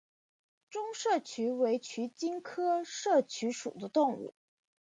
中麝鼩为鼩鼱科麝鼩属的动物。